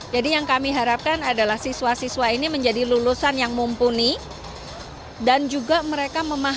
jadi yang kami harapkan adalah siswa siswa ini menjadi lulusan yang mumpuni dan juga mereka memanfaatkan